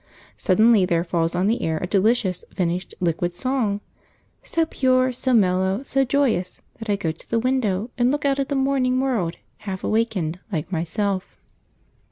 Suddenly there falls on the air a delicious, liquid, finished song; so pure, so mellow, so joyous, that I go to the window and look out at the morning world, half awakened, like myself.